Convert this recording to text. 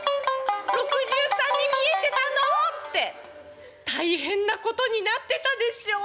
６３に見えてたの？」って大変なことになってたでしょう。